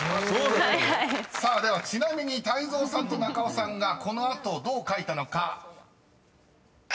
［さあではちなみに泰造さんと中尾さんがこの後をどう書いたのか］